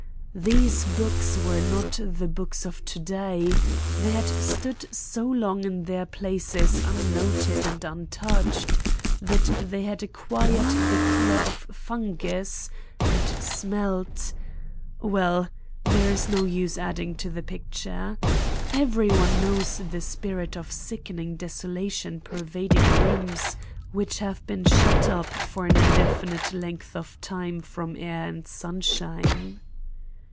These books were not the books of today; they had stood so long in their places unnoted and untouched, that they had acquired the color of fungus, and smelt— Well, there is no use adding to the picture. Every one knows the spirit of sickening desolation pervading rooms which have been shut up for an indefinite length of time from air and sunshine.